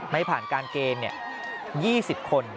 ไม่ผ่านการเกณฑ์๒๐คน